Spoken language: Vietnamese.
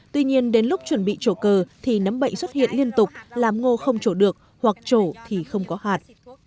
tuy nhiên đến lúc chuẩn bị trổ cờ thì nấm bệnh xuất hiện liên tục làm ngô không trổ được hoặc trổ thì không có hạt